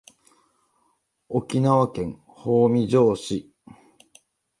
沖縄県豊見城市